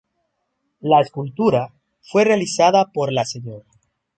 La escultura fue realizada por la Sra.